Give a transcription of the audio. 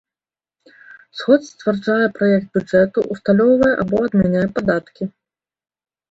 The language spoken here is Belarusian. Сход сцвярджае праект бюджэту, усталёўвае або адмяняе падаткі.